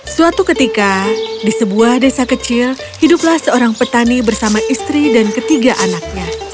suatu ketika di sebuah desa kecil hiduplah seorang petani bersama istri dan ketiga anaknya